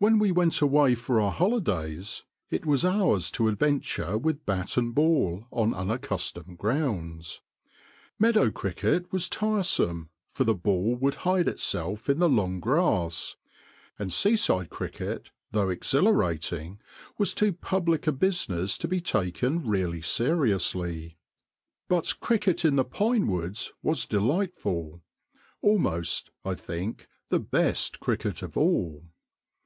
When we went away for our holidays it was ours to adventure with bat and ball on unaccustomed grounds : meadow cricket was tiresome, for the ball would hide itself in the long grass ; and seaside cricket, though exhilarating, was too public a business to be taken really seriously. But cricket in the pinewoods was delightful almost, I 116 THE DAY BEFORE YESTERDAY ttiink, the best cricket of all.